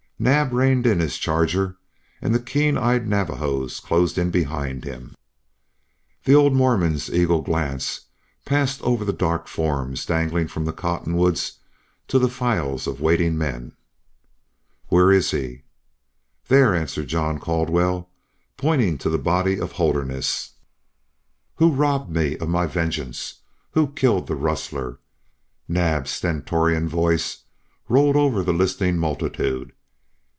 Naab reined in his charger and the keen eyed Navajos closed in behind him. The old Mormon's eagle glance passed over the dark forms dangling from the cottonwoods to the files of waiting men. "Where is he?" "There!" answered John Caldwell, pointing to the body of Holderness. "Who robbed me of my vengeance? Who killed the rustler?" Naab's stentorian voice rolled over the listening multitude.